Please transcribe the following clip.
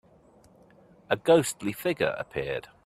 A ghostly figure appeared.